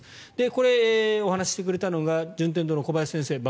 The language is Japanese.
これ、お話してくれたのが順天堂大学の小林先生です。